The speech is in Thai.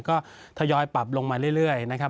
ก็ทยอยปรับลงมาเรื่อยนะครับ